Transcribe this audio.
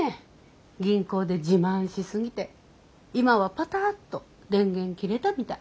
銀行で自慢しすぎて今はパタッと電源切れたみたい。